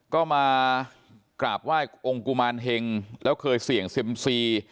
ก็มากราบไหว้องค์กุมารเฮงแล้วเคยเสี่ยงเซ็มซี